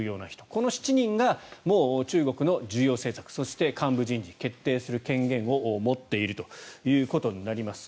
この７人が中国の重要政策そして、幹部人事を決定する権限を持っているということになります。